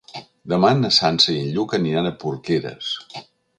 Demà na Sança i en Lluc aniran a Porqueres.